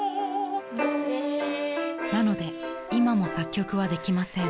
［なので今も作曲はできません］